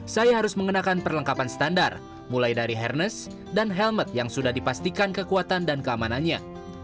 saya harus mengenakan perlengkapan standar mulai dari hairness dan helmet yang sudah dipastikan kekuatan dan keamanannya